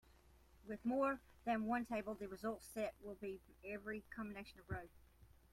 With more than one table, the result set will be every combination of rows.